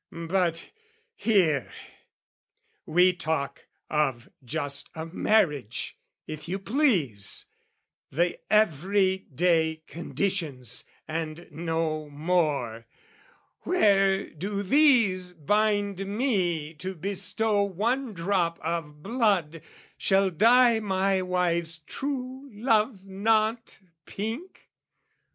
But here, We talk of just a marriage, if you please The every day conditions and no more; Where do these bind me to bestow one drop Of blood shall dye my wife's true love knot pink?